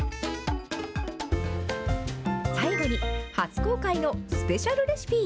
最後に、初公開のスペシャルレシピ。